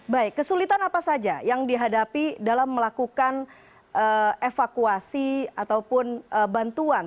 baik kesulitan apa saja yang dihadapi dalam melakukan evakuasi ataupun bantuan